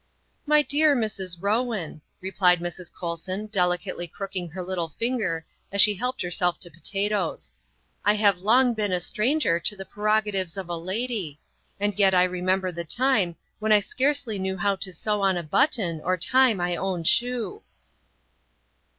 " My dear Mrs. Bowen," replied Mrs. Colson, deli cately crooking her little finger as she helped herself to potatoes, " I have long been a stranger to the preroga tives of a lady; and yet I remember the time when I scarcely knew how to sew on a button or tie my own shoe."